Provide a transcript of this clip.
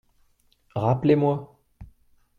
Rappelez-moi.